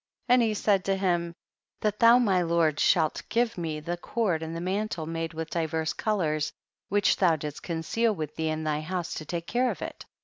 and he said to him, that thou my lord shalt give me the cord and the mantle made with divers colors which thou didst conceal with thee in thy house to take care of it.